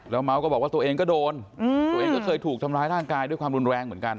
เมาส์ก็บอกว่าตัวเองก็โดนตัวเองก็เคยถูกทำร้ายร่างกายด้วยความรุนแรงเหมือนกัน